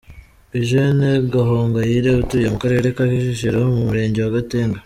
Eugénie Gahongayire utuye mu Karere ka Kicukiro mu Murenge wa Gatenga.